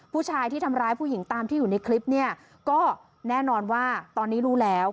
ผู้ชายที่ทำร้ายผู้หญิงตามที่อยู่ในคลิปเนี่ยก็แน่นอนว่าตอนนี้รู้แล้ว